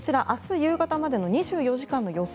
夕方までの２４時間の予想